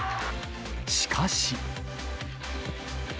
しかし。